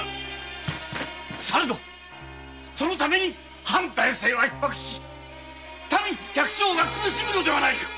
されどそのために藩財政は逼迫し民百姓が苦しむのではないか！